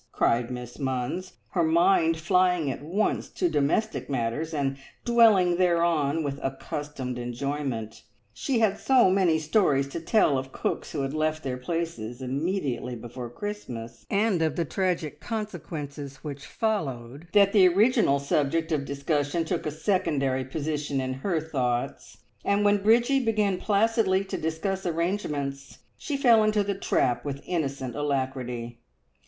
cried Miss Munns, her mind flying at once to domestic matters, and dwelling thereon with accustomed enjoyment. She had so many stories to tell of cooks who had left their places immediately before Christmas, and of the tragic consequences which followed, that the original subject of discussion took a secondary position in her thoughts, and when Bridgie began placidly to discuss arrangements, she fell into the trap with innocent alacrity.